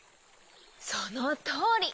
そのとおり。